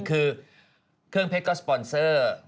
คือเครื่องเพชรก็สปอนเซอร์